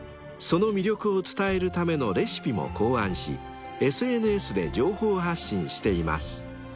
［その魅力を伝えるためのレシピも考案しＳＮＳで情報発信しています］